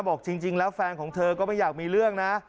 บอกจริงแล้วแฟนของเธอก็ไม่อยากมีเรื่องนะ